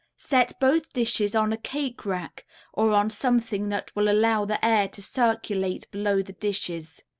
Set both dishes on a cake rack, or on something that will allow the air to circulate below the dishes.